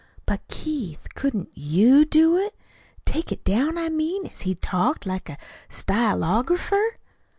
But, Keith, couldn't YOU do it? take it down, I mean, as he talked, like a stylographer?"